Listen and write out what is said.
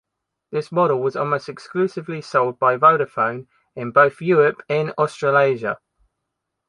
This model was almost exclusively sold by Vodafone in both Europe and Australasia.